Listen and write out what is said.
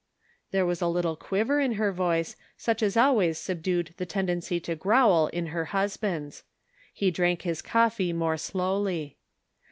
There was a little quiver in her voice, such as always subdued the tendency to growl in her husband's. He drank his coffee more slowly.